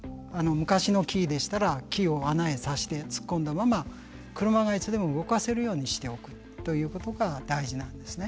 昔のキーでしたらキーを穴へさして突っ込んだまま車がいつでも動かせるようにしておくということが大事なんですね。